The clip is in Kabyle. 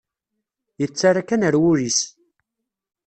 Yettarra kan ar wul-is.